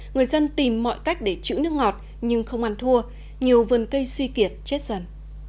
người dân tìm mọi cách để chữ nước ngọt nhưng không ăn thua nhiều vườn cây suy kiệt chết dần